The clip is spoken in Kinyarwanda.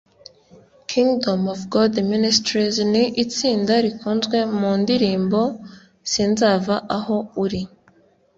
Kingdom of God Ministries ni itsinda rikunzwe mu ndirimbo; Sinzava aho uri